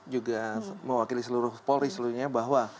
juga mewakili seluruh polri seluruhnya bahwa